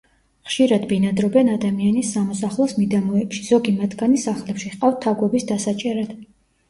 ხშირად ბინადრობენ ადამიანის სამოსახლოს მიდამოებში, ზოგი მათგანი სახლებში ჰყავთ თაგვების დასაჭერად.